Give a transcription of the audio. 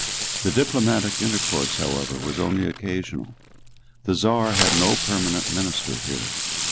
The diplomatic intercourse however was only occasional. The Czar had no permanent minister here.